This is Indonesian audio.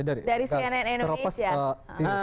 dari cnn indonesia